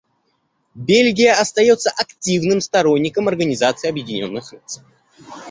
Бельгия остается активным сторонником Организации Объединенных Наций.